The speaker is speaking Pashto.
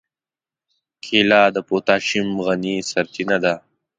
کېله د پوتاشیم غني سرچینه ده.